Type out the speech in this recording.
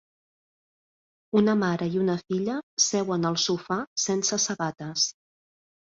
Una mare i una filla seuen al sofà sense sabates.